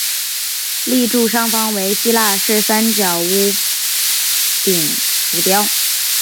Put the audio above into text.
立柱上方为希腊式三角屋顶浮雕。